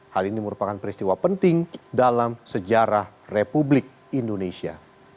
hal ini merupakan peristiwa penting dalam sejarah republik indonesia